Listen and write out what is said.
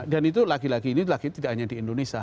dan itu lagi lagi ini tidak hanya di indonesia